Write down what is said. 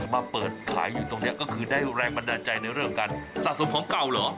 มาเปิดขายอยู่ตรงนี้ก็คือได้แรงบันดาลใจในเรื่องการสะสมของเก่าเหรอ